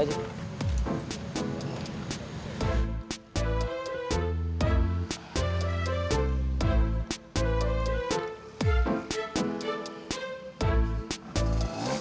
sama sama tinggal aja